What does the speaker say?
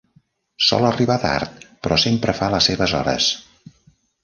Sol arribar tard, però sempre fa les seves hores.